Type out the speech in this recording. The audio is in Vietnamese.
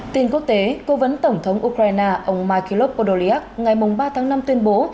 tin quốc tế cố vấn tổng thống ukraine ông mikelov podolyak ngày ba tháng năm tuyên bố